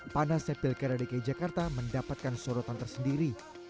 panasnya pilkada dki jakarta mendapatkan sorotan tersendiri